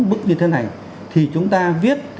bức như thế này thì chúng ta viết